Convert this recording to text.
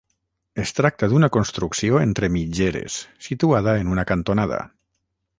Es tracta d'una construcció entre mitgeres, situada en una cantonada.